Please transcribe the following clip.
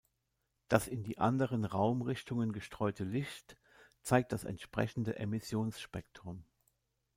Das in die anderen Raumrichtungen gestreute Licht zeigt das entsprechende Emissionsspektrum.